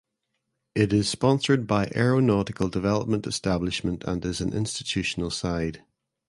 It is sponsored by Aeronautical Development Establishment and is an "institutional side".